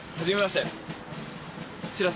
「しらせ」